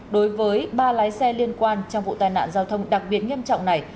đối với ba lái xe liên quan trong vụ tai nạn giao thông đặc biệt nghiêm trọng này